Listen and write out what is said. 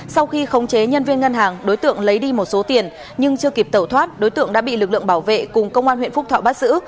sau khi khống chế nhân viên ngân hàng đối tượng lấy đi một số tiền nhưng chưa kịp tẩu thoát đối tượng đã bị lực lượng bảo vệ cùng công an huyện phúc thọ bắt giữ